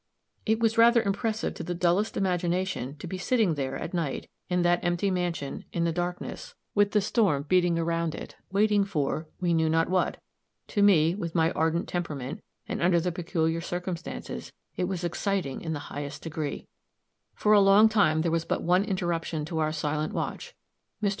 It was rather impressive to the dullest imagination to be sitting there at night, in that empty mansion, in the darkness, with the storm beating around it, waiting for we knew not what. To me, with my ardent temperament, and under the peculiar circumstances, it was exciting in the highest degree. For a long time there was but one interruption to our silent watch. Mr.